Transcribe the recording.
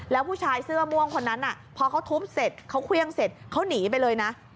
แล้วผู้ชายเสื้อม่วงคนนั้นพอเขาทุบเสร็จเขาเครื่องเสร็จเขาหนีไปเลยนะ